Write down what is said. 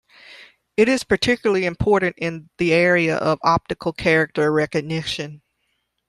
It is particularly important in the area of optical character recognition.